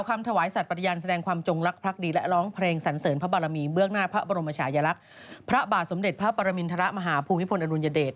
ข้างหน้าพระบรมชายลักษณ์พระบาทสมเด็จพระปรมินทรมาฮาภูมิพลอนุญเดช